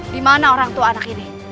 dimana orang tua anak ini